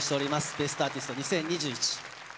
『ベストアーティスト２０２１』。